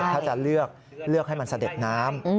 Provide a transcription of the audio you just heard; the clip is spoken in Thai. ถ้าจะเลือกเลือกให้มันเสด็จน้ำ